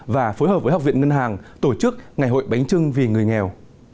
và phối hợp với học viện ngân hàng tổ chức ngày hội bánh trưng vì người nghèo